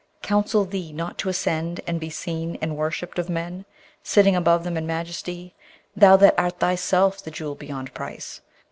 counsel thee not to ascend and be seen and worshipped of men, sitting above them in majesty, thou that art thyself the Jewel beyond price?